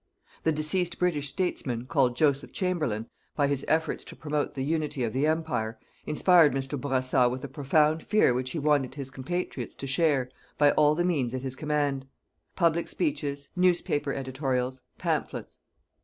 The deceased British statesman, called Joseph Chamberlain, by his efforts to promote the unity of the Empire, inspired Mr. Bourassa with a profound fear which he wanted his compatriots to share by all the means at his command: public speeches, newspaper editorials, pamphlets.